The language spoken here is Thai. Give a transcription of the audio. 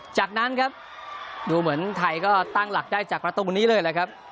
จากนั้นครับดูเหมือนไทยก็ตั้งหลักได้จากประตูนี้เลยแหละครับ